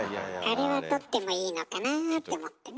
あれは取ってもいいのかなって思ってね。